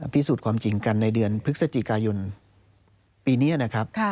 พิสูจน์ความจริงกันในเดือนพฤศจิกายนปีนี้นะครับ